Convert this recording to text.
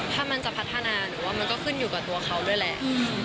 ถ้ามันจะพัฒนาหนูว่ามันก็ขึ้นอยู่กับตัวเขาด้วยแหละ